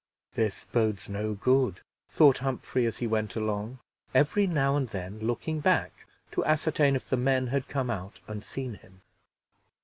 "This bodes no good," thought Humphrey as he went along, every now and then looking back to ascertain if the men had come out and seen him.